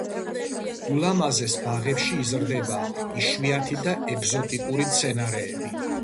ულამაზეს ბაღებში იზრდება იშვიათი და ეგზოტიკური მცენარეები.